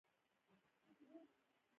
موږ باید د خپلې ژبې پالنه وکړو.